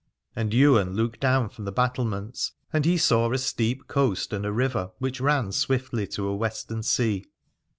And Ywain looked down from the battlements, and he saw a steep coast and a river which ran swiftly to a western sea.